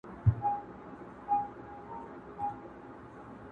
هغې ته غرونه واوري او فضا ټول د خپل غم برخه ښکاري,